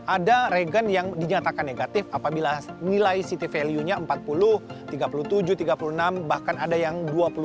ada regen yang dinyatakan negatif apabila nilai city value nya empat puluh tiga puluh tujuh tiga puluh enam bahkan ada yang dua puluh tujuh